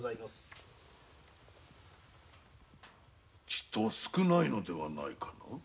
チト少ないのではないか？